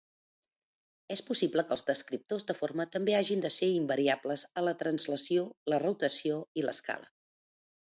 És possible que els descriptors de forma també hagin de ser invariables a la translació, la rotació i l'escala.